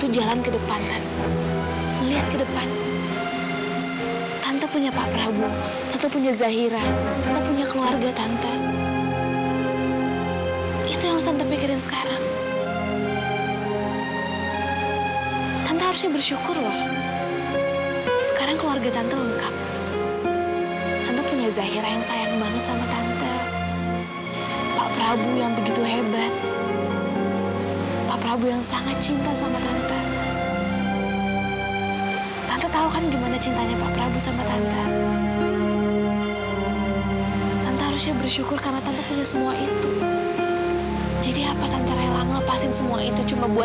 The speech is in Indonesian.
jangan pernah tante rusak dengan apapun